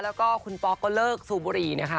แล้วก็คุณป๊อกก็เลิกสูบบุหรี่นะคะ